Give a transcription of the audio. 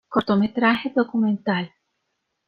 Cortometraje documental.